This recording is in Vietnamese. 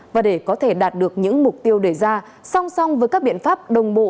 và để có thể đạt được những mục tiêu đề ra song song với các biện pháp đồng bộ